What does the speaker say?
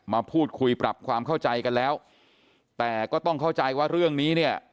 มาพูดคุยปรับความเข้าใจกันแล้วแต่ก็ต้องเข้าใจว่าเรื่องนี้เนี่ย